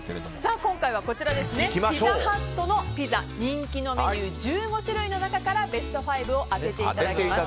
今回は、ピザハットの人気メニュー１５種類の中からベスト５を当てていただきます。